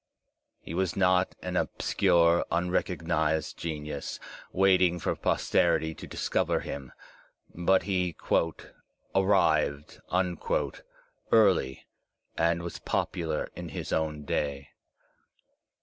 He was not an obscure, unrecognized genius, waiting for posterity to discover him, but he "arrived" early and was popular in his own day.